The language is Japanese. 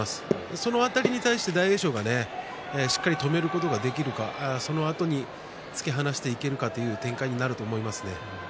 そのあたりに対して大栄翔がしっかりと見ることができるかそのあと突き放していけるかという展開になると思いますね。